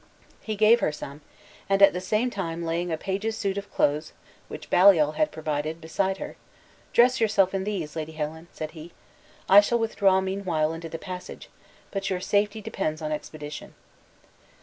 He gave her some, and at the same time laying a page's suit of clothes (which Baliol had provided) beside her, "Dress yourself in these, Lady Helen," said he; "I shall withdraw meanwhile into the passage, but your safety depends on expedition."